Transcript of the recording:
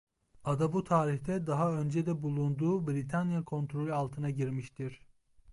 Ada bu tarihte daha önce de bulunduğu Britanya kontrolü altına girmiştir.